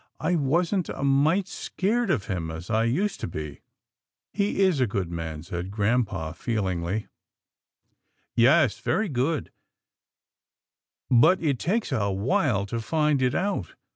I wasn't a mite scared of him as I used to be." " He is a good man," said grampa feelingly. " Yes, truly good, but it takes a while to find it out.